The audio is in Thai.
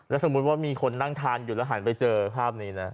สมมุติว่ามีคนนั่งทานอยู่แล้วหันไปเจอภาพนี้นะ